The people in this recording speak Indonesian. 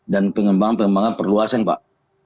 dan pengembangan pengembangan perlu asing pak